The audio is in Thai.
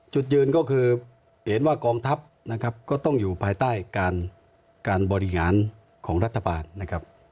จุดยืนก็คือเห็นว่ากองทัพนะครับก็ต้องอยู่ภายใต้การบริหารของรัฐบาลนะครับ